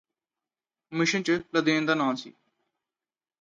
mission ਚ Laden ਦਾ ਨਾਂ ਸੀ